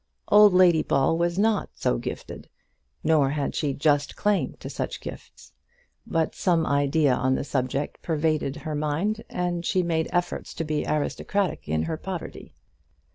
Old Lady Ball was not so gifted, nor had she just claim to such gifts. But some idea on the subject pervaded her mind, and she made efforts to be aristocratic in her poverty.